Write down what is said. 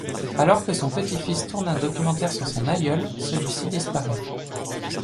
Alors que son petit-fils tourne un documentaire sur son aïeul, celui-ci disparaît.